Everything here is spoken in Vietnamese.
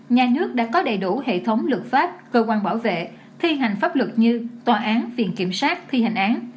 nhà nước đã có đầy đủ hệ thống luật pháp cơ quan bảo vệ thi hành pháp luật như tòa án viện kiểm sát thi hành án